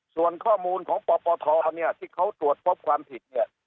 ส่วนข้อมูลของปปทเนี่ยที่เขาตรวจพบความผิดเนี่ย